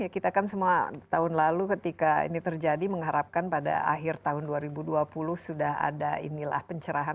kita kan semua tahun lalu ketika ini terjadi mengharapkan pada akhir tahun dua ribu dua puluh sudah ada inilah pencerahan